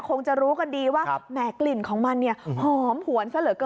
คงจะรู้กันดีว่าแหมกลิ่นของมันเนี่ยหอมหวนซะเหลือเกิน